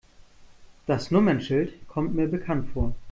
Das Nummernschild kommt mir bekannt vor.